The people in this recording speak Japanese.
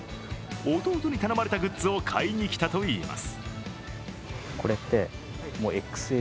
弟に頼まれたグッズを買いに来たといいます。